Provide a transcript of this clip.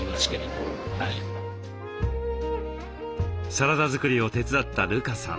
サラダ作りを手伝った瑠花さん